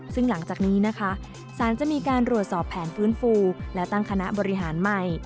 ซึ่งหลังจากนี้นะคะสารจะมีการรวดสอบแผนฟื้นฟูและตั้งคณะบริหารใหม่